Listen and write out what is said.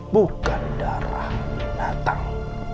bukan darah binatang